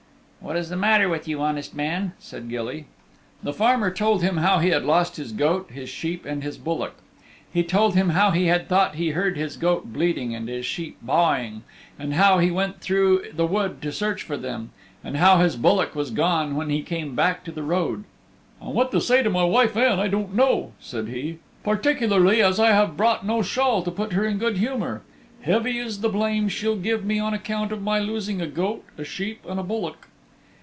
"What is the matter with you, honest man?" said Gilly. The farmer told him how he had lost his goat, his sheep and his bullock. He told him how he had thought he heard his goat bleating and his sheep ba'ing, and how he went through the wood to search for them, and how his bullock was gone when he came back to the road. "And what to say to my wife Ann I don't know," said he, "particularly as I have brought no shawl to put her in good humor. Heavy is the blame she'll give me on account of my losing a goat, a sheep and a bullock."